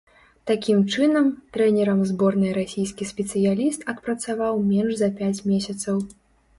Такім чынам, трэнерам зборнай расійскі спецыяліст адпрацаваў менш за пяць месяцаў.